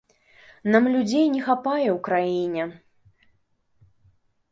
Нам людзей не хапае ў краіне.